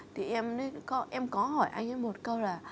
thì em có hỏi anh ấy một câu là